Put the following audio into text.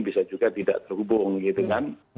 bisa juga tidak terhubung